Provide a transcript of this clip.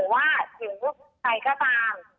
หรือว่าถึงใครก็ตาม